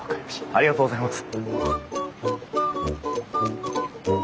ありがとうございます。